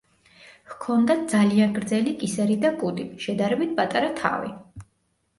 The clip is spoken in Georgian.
ჰქონდათ ძალიან გრძელი კისერი და კუდი, შედარებით პატარა თავი.